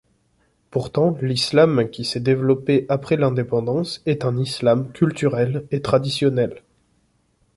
Pourtant, l'islam qui s'est développé après l'indépendance est un islam culturel et traditionnel.